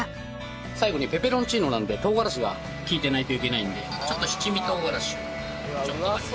最後にペペロンチーノなので唐辛子が利いてないといけないのでちょっと七味唐辛子をちょっとだけ。